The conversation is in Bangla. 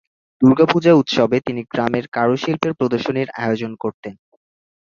দুর্গা পূজা উৎসবে তিনি গ্রামের কারুশিল্পের প্রদর্শনীর আয়োজন করতেন।